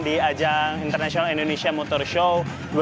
di ajang international indonesia motor show dua ribu dua puluh